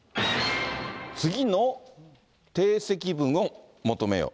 次の定積分を求めよ。